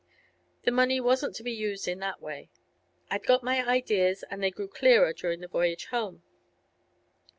The money wasn't to be used in that way. I'd got my ideas, and they grew clearer during the voyage home.